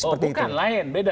oh bukan lain beda